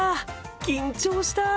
緊張した。